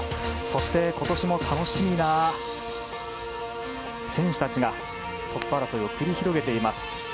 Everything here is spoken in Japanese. そして今年も楽しみな選手たちがトップ争いを繰り広げています。